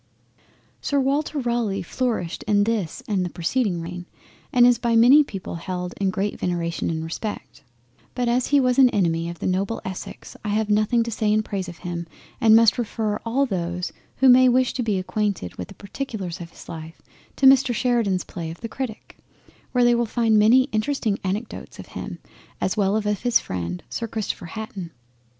Sir Walter Raleigh flourished in this and the preceeding reign, and is by many people held in great veneration and respect—But as he was an enemy of the noble Essex, I have nothing to say in praise of him, and must refer all those who may wish to be acquainted with the particulars of his life, to Mr Sheridan's play of the Critic, where they will find many interesting anecdotes as well of him as of his friend Sir Christopher Hatton.